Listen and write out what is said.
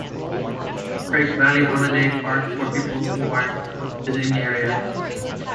Crake Valley Holiday Park for people who are visiting the area.